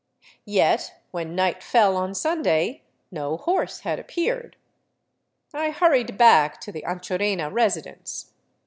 Yet when night fell on Sunday, no horse had appeared. I hurried back to the Ancho rena residence.